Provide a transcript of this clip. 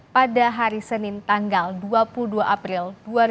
pada hari senin tanggal dua puluh dua april dua ribu dua puluh